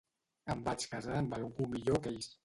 Em vaig casar amb algú millor que ells.